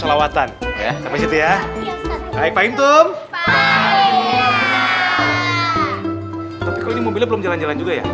lawatan ya sampai setia hai fahim tum pak hai tapi kau ini mobilnya belum jalan jalan juga ya